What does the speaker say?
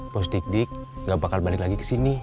bos dik dik gak bakal balik lagi ke sini